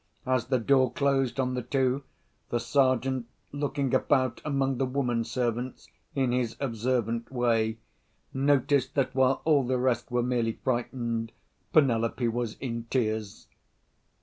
As the door closed on the two, the Sergeant, looking about among the women servants in his observant way, noticed that while all the rest were merely frightened, Penelope was in tears.